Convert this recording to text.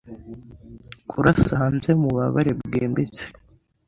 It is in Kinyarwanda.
Kurasa hanze mu bubabare bwimbitse